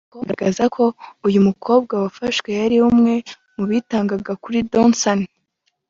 com agaragaza ko uyu mukozi wafashwe yari umwe mu bitaga kuri Duncan